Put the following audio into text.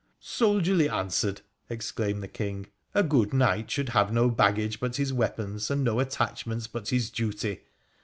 ' Soldierly answered,' exclaimed the King :' a good knight should have no baggage but his weapons, and no attachments but his duty.